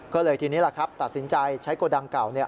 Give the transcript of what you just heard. ก็เลยทีนี้ล่ะครับตัดสินใจใช้โกดังเก่าเนี่ย